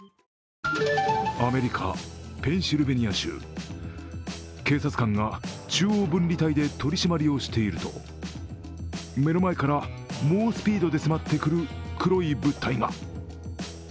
アメリカ・ペンシルベニア州警察官が中央分離帯で取り締まりをしていると目の前から猛スピードで迫ってくる黒い物体が。